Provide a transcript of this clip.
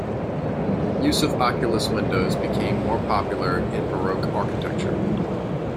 Use of oculus windows became more popular in Baroque architecture.